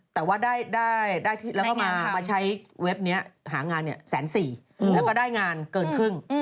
แต่ว่าได้แล้วก็มาใช้เว็บนี้หางานแสนสี่แล้วก็ได้งานเกินครึ่ง